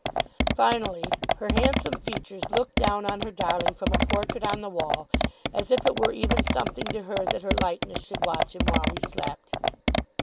Finally, her handsome features looked down on her darling from a portrait on the wall, as if it were even something to her that her likeness should watch him while he slept.